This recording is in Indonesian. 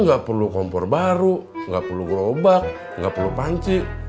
nggak perlu kompor baru nggak perlu gerobak nggak perlu panci